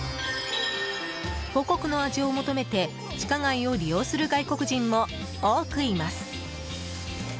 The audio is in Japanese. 母国の味を求めて地下街を利用する外国人も多くいます。